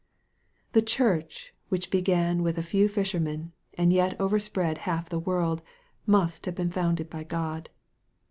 The church which began with a few fishermen, and yet overspread half the world, must have been founded by God.